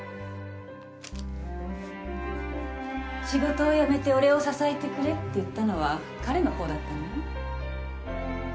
仕事を辞めて俺を支えてくれって言ったのは彼のほうだったのよ。